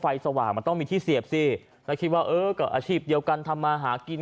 สว่างมันต้องมีที่เสียบสิแล้วคิดว่าเออก็อาชีพเดียวกันทำมาหากิน